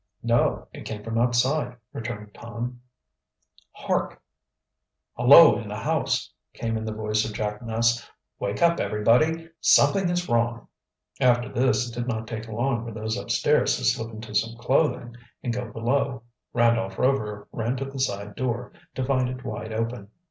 "No, it came from outside," returned Torn. "Hark!" "Hullo, in the house!" came in the voice of Jack Ness. "Wake up, everybody! Something is wrong!" After this it did not take long for those upstairs to slip into some clothing, and go below. Randolph Rover ran to the side door, to find it wide open.